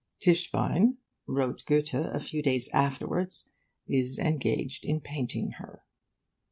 'Tischbein,' wrote Goethe a few days afterwards, 'is engaged in painting her.